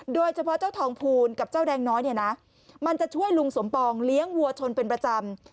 โดยเฉพาะเจ้าทองภูลกับเจ้าแดงน้อยเนี่ยนะมันจะช่วยลุงสมปองเลี้ยงวัวชนเป็นประจำ